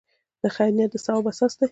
د خیر نیت د ثواب اساس دی.